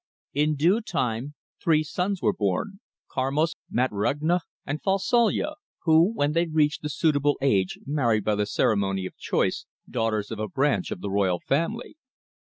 In due time three sons were born, Karmos, Matrugna, and Fausalya, who when they reached a suitable age married by the ceremony of 'choice,' daughters of a branch of the royal family.